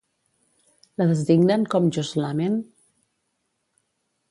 La designen com Joshlamen?